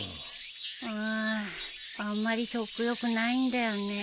うーんあんまり食欲ないんだよね。